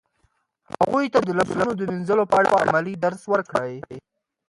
هغوی ته د لاسونو د مینځلو په اړه عملي درس ورکړئ.